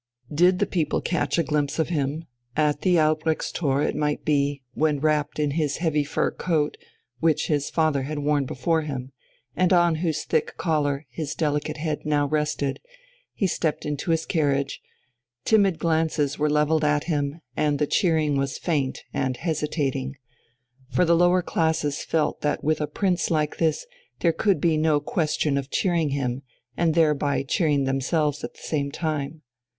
Did the people catch a glimpse of him at the Albrechtstor it might be, when wrapped in his heavy fur coat, which his father had worn before him, and on whose thick collar his delicate head now rested, he stepped into his carriage timid glances were levelled at him, and the cheering was faint and hesitating. For the lower classes felt that with a prince like this there could be no question of cheering him and thereby cheering themselves at the same time.